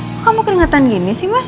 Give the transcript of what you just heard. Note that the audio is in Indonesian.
kok kamu keringetan gini sih mas